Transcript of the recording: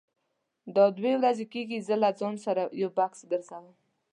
دا دوه ورځې کېږي زه له ځان سره یو بکس ګرځوم.